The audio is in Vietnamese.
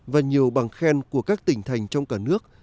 và nhiều bằng khen của các tỉnh thành trong cả nước